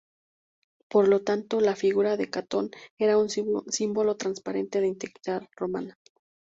Por lo tanto, la figura de Catón era un símbolo transparente de integridad romana.